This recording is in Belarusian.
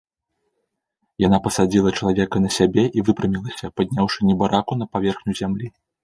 Яна пасадзіла чалавека на сябе і выпрамілася, падняўшы небараку на паверхню зямлі.